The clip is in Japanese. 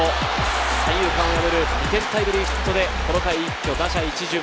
三遊間を破る２点タイムリーヒットで、この回一挙打者一巡。